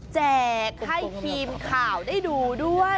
แจกให้ทีมข่าวได้ดูด้วย